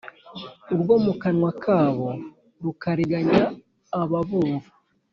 urwo mu kanwa kabo rukariganya ababumva